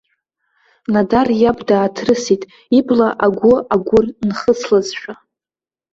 Нодар иаб дааҭрысит, ибла агәы агәыр нхыслазшәа.